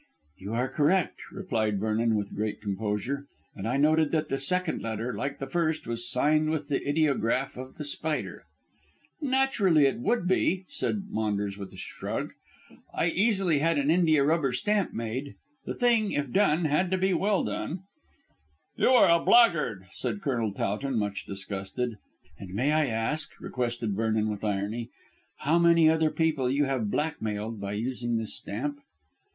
"You are correct," replied Vernon with great composure, "and I noted that the second letter, like the first, was signed with the ideograph of The Spider." "Naturally, it would be," said Maunders with a shrug. "I easily had an india rubber stamp made. The thing, if done, had to be well done." "You are a blackguard," said Colonel Towton, much disgusted. "And may I ask," requested Vernon with irony, "how many other people you have blackmailed by using this stamp?"